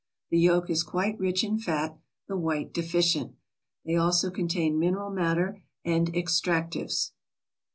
The yolk is quite rich in fat; the white deficient. They also contain mineral matter and extractives.